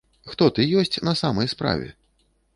Хто ты ёсць на самай справе?